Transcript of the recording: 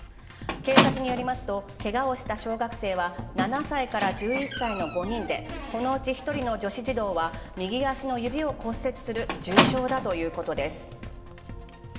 警察によりますとけがをした小学生は７歳から１１歳の５人で、このうち一人の女子児童は右足の指を骨折する重傷だということです。